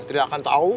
tidak akan tau